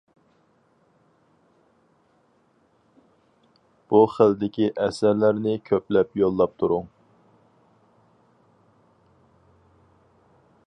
بۇ خىلدىكى ئەسەرلەرنى كۆپلەپ يوللاپ تۇرۇڭ!